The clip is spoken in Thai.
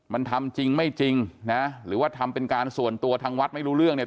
มันทำจริงไม่จริงนะหรือว่าทำเป็นการส่วนตัวทางวัดไม่รู้เรื่องเนี่ย